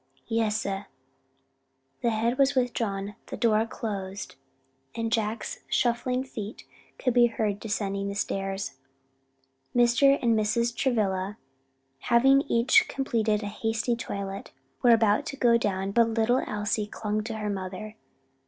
"Yes, sah." The head was withdrawn, the door closed, and Jack's shuffling feet could be heard descending the stairs. Mr. and Mrs. Travilla, having each completed a hasty toilet, were about to go down; but little Elsie clung to her mother.